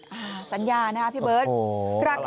สัญญานะคะพี่เบิร์ต